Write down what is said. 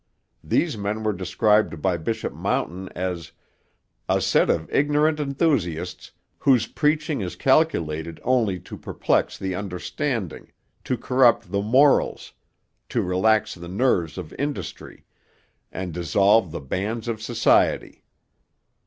These men were described by Bishop Mountain as 'a set of ignorant enthusiasts, whose preaching is calculated only to perplex the understanding, to corrupt the morals, to relax the nerves of industry, and dissolve the bands of society.'